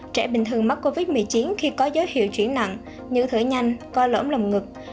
trẻ bình thường mắc covid một mươi chín khi có dấu hiệu chuyển nặng như thở nhanh coi lỗm lòng ngực